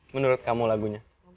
menurut kamu lagunya